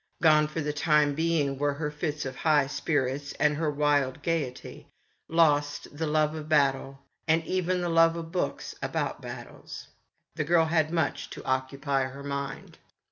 Gone, for the time being, were her fits of high spirits and her wild gaiety ; lost, the love of battle, and even the love of books about battles. The girl had much to occupy her mind.